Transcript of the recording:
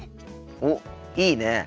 おっいいねえ。